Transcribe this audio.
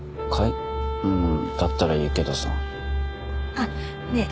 あっねえ